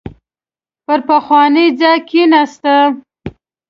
پر پخواني ځای کېناسته.